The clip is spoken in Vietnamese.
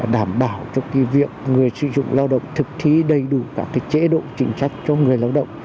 đảm bảo cho cái việc người sử dụng lao động thực thi đầy đủ các cái chế độ chính trách cho người lao động